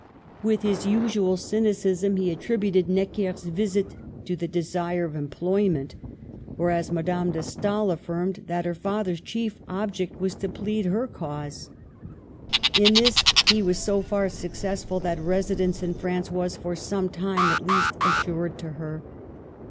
With his usual cynicism, he attributed Necker's visit to the desire of employment; whereas Madame de Stael affirmed that her father's chief object was to plead her cause. In this he was so far successful that residence in France was for some time at least assured to her.